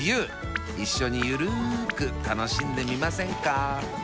一緒にゆるく楽しんでみませんか？